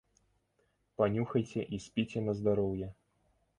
Панюхайце і спіце на здароўе.